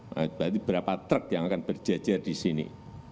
berarti berapa truk yang akan berjejer di sini